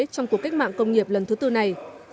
trong cuộc cách mạng công nghiệp lần thứ tư này